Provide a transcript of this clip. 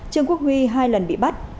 trương quốc huy hai lần bị bắt